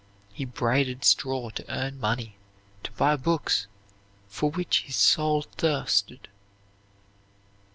He braided straw to earn money to buy books for which his soul thirsted.